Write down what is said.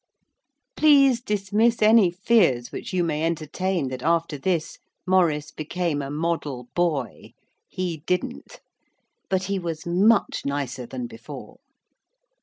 Please dismiss any fears which you may entertain that after this Maurice became a model boy. He didn't. But he was much nicer than before.